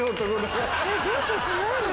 デートしないの？